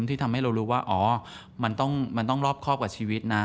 ที่ทำให้เรารู้ว่าอ๋อมันต้องรอบครอบกับชีวิตนะ